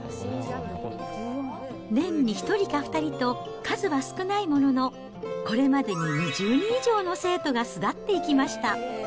年に１人か２人と数は少ないものの、これまでに２０人以上の生徒が巣立っていきました。